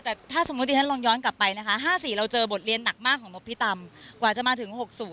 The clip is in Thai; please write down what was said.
แต่ถ้าสมมุติที่ฉันลองย้อนกลับไปนะคะ๕๔เราเจอบทเรียนหนักมากของนกพิตำกว่าจะมาถึง๖๐